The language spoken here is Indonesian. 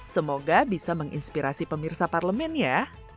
semoga bisa menginspirasi pemirsa parlemen ya